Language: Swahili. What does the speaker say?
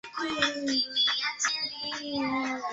walijishughulisha na uenezaji wa Imani ya Kikristo